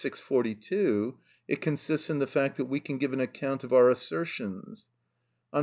642, it consists in the fact that we can give an account of our assertions; on pp.